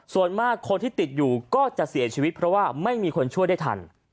ส่วนมากคนที่ติดอยู่ก็จะเสียชีวิตเพราะว่าไม่มีคนช่วยได้ทัน